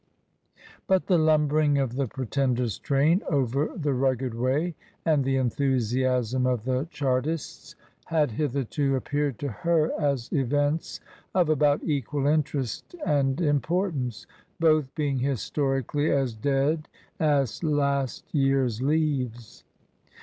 But the lumbering of the Pretender's train over the rugged way and the enthusiasm of the Chartists had hitherto appeared to her as events of about equal interest and importance, both being historically as dead as last year's leaves.